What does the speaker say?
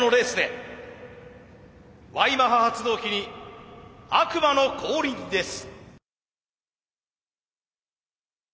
Ｙマハ発動機に悪魔の降臨です。